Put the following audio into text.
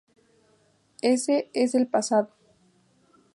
Ese es el pasado.